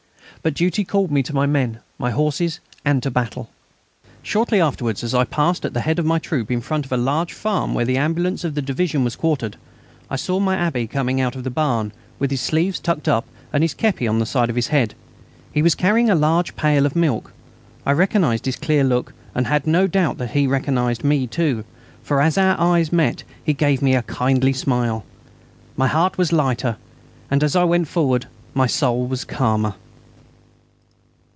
But duty called me to my men, my horses, and to battle. Shortly afterwards, as I passed at the head of my troop in front of the large farm where the ambulance of the division was quartered, I saw my abbé coming out of a barn, with his sleeves tucked up and his képi on the side of his head. He was carrying a large pail of milk. I recognised his clear look, and had no doubt that he recognised me too, for as our eyes met he gave me a kindly smile. My heart was lighter as I went forward, and my soul was calmer.